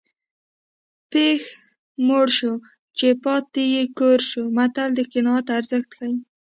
پښ موړ شو چې پاته یې کور شو متل د قناعت ارزښت ښيي